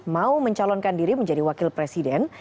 mau mencalonkan diri menjadi wakil presiden